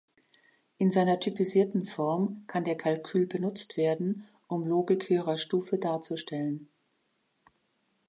In seiner typisierten Form kann der Kalkül benutzt werden, um Logik höherer Stufe darzustellen.